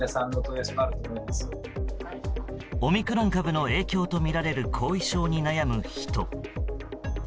オミクロン株の影響とみられる後遺症に悩む人。